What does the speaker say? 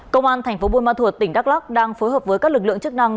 công an thành phố buôn ma thuột tỉnh đắk lắc đang phối hợp với các lực lượng chức năng